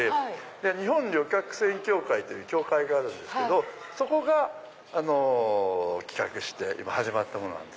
日本旅客船協会という協会があるんですけどそこが企画して始まったものなんです。